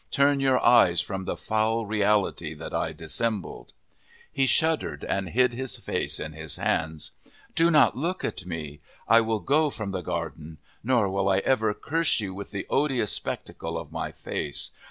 Turn your eyes from the foul reality that I dissembled." He shuddered and hid his face in his hands. "Do not look at me. I will go from the garden. Nor will I ever curse you with the odious spectacle of my face.